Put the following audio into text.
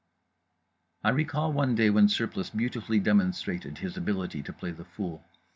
I recall one day when Surplice beautifully demonstrated his ability to play the fool.